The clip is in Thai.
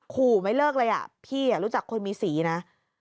ขู่ไม่เลิกเลยอ่ะพี่รู้จักคนมีสีนะ